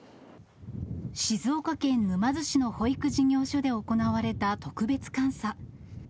静岡県沼津市の保育事業所で行われた特別監査。